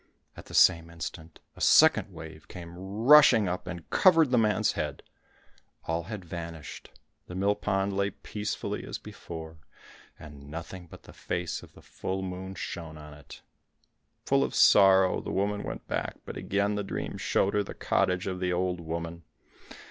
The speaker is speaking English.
At the same instant, a second wave came rushing up, and covered the man's head. All had vanished, the mill pond lay peaceful as before, and nothing but the face of the full moon shone on it. Full of sorrow, the woman went back, but again the dream showed her the cottage of the old woman.